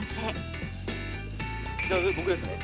じゃあ次僕ですね。